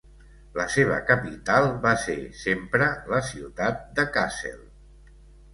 La seva capital va ser sempre la ciutat de Kassel.